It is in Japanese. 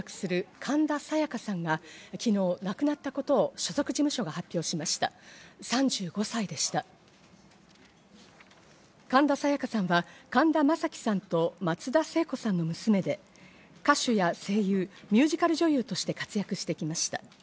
神田沙也加さんは神田正輝さんと松田聖子さんの娘で、歌手や声優、ミュージカル女優として活躍してきました。